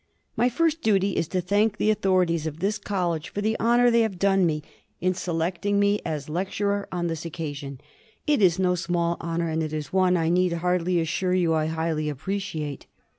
My first duty is to thank the authorities of this College for the honour they have done me in selecting me as Lecturer on this occasion. It is no small honour, and it is one, I need hardly assure you, I highly appreciate.